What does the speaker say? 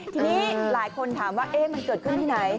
ทีนี้หลายคนถามว่ามันเกิดขึ้นที่ไหน